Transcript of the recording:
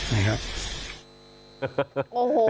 นะครับ